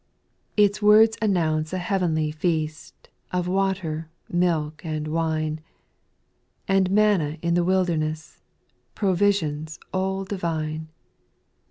Its words announce a heavenly feast Of water, milk, and wine, And manna in the wilderness. Provisions all divine.